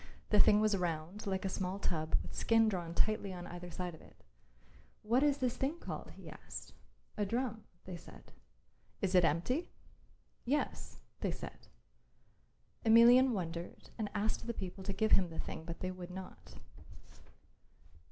The thing was round like a small tub with skin drawn tightly on either side of it. "What is this thing called?" he asked. "A drum," they said. "Is it empty?" "Yes," they said. Emelian wondered and asked the people to give him the thing, but they would not.